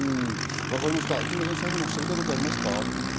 木村さん、最後におっしゃりたいことはありますか？